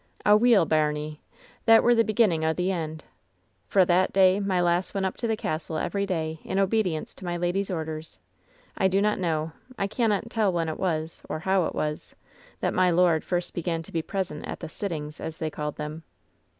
"Aweel, baimie, that were the beginning o' the end. Fra that day my lass went up to the castle every day, in obedience to my lady's orders. I do not know, I cannot tell when it was, or how it was, that my lord first began to be present at the ^sittings,' as they called them.